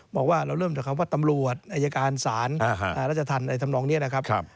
บอกว่าเราเริ่มจากคำว่าตำรวจอายการศาลราชธรรมอะไรทำนองนี้นะครับ